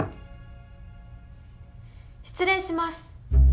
失礼します。